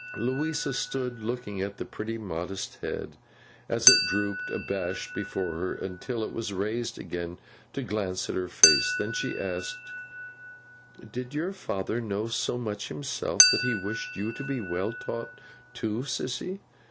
Louisa stood looking at the pretty modest head, as it drooped abashed before her, until it was raised again to glance at her face. Then she asked: 'Did your father know so much himself, that he wished you to be well taught too, Sissy?